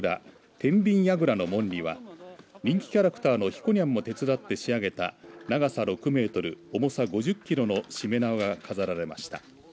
天秤櫓の門には人気キャラクターのひこにゃんも手伝って仕上げた長さ６メートル重さ５０キロのしめ縄が飾られました。